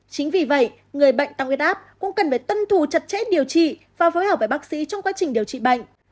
chính vì vậy người bệnh tăng huyết áp cũng cần phải tuân thủ chặt chẽ điều trị và phối hợp với bác sĩ trong quá trình điều trị bệnh